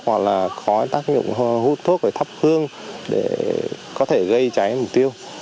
hoặc là khó tác dụng hút thuốc để thắp hương để có thể gây cháy mục tiêu